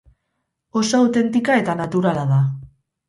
Oso autentika eta naturala da.